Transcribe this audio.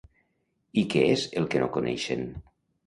I què és el que no coneixen?